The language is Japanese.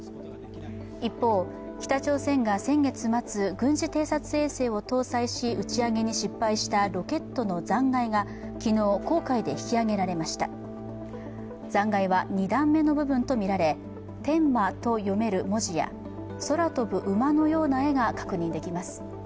一方、北朝鮮が先月末軍事偵察衛星を搭載し、打ち上げに失敗したロケットの残骸が昨日、黄海で引き揚げられました残骸は２段目の部分とみられ、「天馬」と読める文字や、空飛ぶ馬のような絵が確認できます。